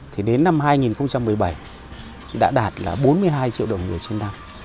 thì đến năm hai nghìn một mươi bảy đã đạt là bốn mươi hai triệu đồng người trên năm